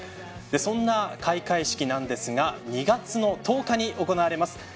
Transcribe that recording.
そんな開会式なんですが２月１０日に行われます。